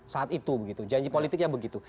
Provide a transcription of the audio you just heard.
saat itu begitu janji politiknya begitu